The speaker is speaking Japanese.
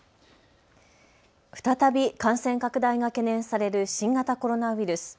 再び感染拡大が懸念される新型コロナウイルス。